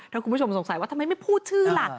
ถ้าคุณผู้ชมสงสัยว่าทำไมไม่พูดชื่อล่ะ